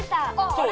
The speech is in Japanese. そう。